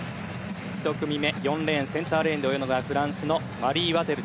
１組目、４レーンセンターレーンで泳ぐのがフランスのマリー・ワテル。